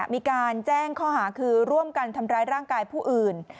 มีการแจ้งข้อหาคือร่วมกันทำร้ายร่างกายผู้อื่น